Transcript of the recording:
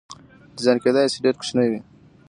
ډیزاین کیدای شي ډیر کوچنی وي.